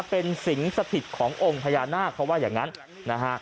เป็นสิงสถิตขององค์พญานาคเขาว่าอย่างนั้นนะฮะ